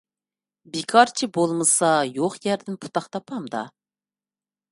بىكارچى بولمىسا يوق يەردىن پۇتاق تاپامدا؟